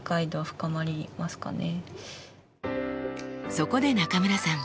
そこで中村さん